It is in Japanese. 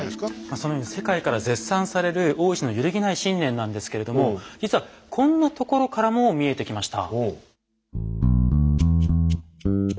そのように世界から絶賛される大石の揺るぎない信念なんですけれども実はこんなところからも見えてきました。